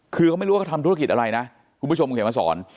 คือเขาไม่รู้ว่าเขาทำธุรกิจอะไรนะคุณผู้ชมคุณเขียนมาสอน